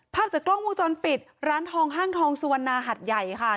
ภาพจากกล้องวงจรปิดร้านทองห้างทองสุวรรณาหัดใหญ่ค่ะ